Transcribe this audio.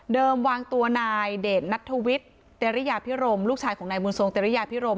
วางตัวนายเดชนัทธวิทย์เตรริยาพิรมลูกชายของนายบุญทรงเตรียพิรม